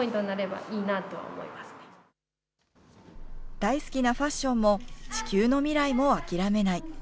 大好きなファッションも地球の未来も諦めない。